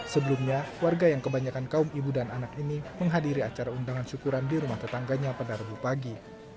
sebelumnya warga yang kebanyakan kaum ibu dan anak ini menghadiri acara undangan syukuran di rumah tetangganya pada rabu pagi